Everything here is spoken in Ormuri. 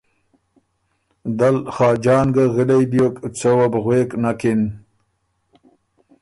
دل خاجان ګۀ غِلئ بیوک څه وه بو غوېک نکِن